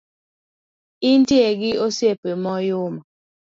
Intie gi osiepe ma oyuma